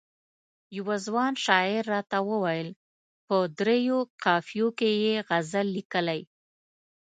یوه ځوان شاعر راته وویل په دریو قافیو کې یې غزل لیکلی.